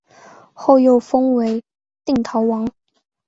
后又封为定陶王。